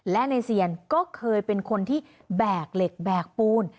และในเซียนก็เคยเป็นคนที่แบกเหล็กแบกปูน